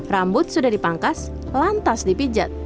rambut sudah dipangkas lantas dipijat